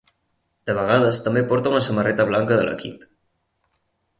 De vegades també porta una samarreta blanca de l'equip.